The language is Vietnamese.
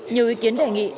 nhiều ý kiến đề nghị